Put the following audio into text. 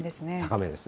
高めですね。